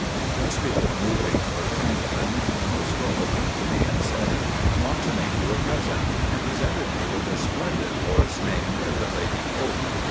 Just before moving toward Franklin, General Strahl came to me and said: "I want to make you a present," and presented me with a splendid horse, named "The Lady Polk."